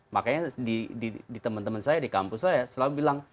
makanya di teman teman saya di kampus saya selalu bilang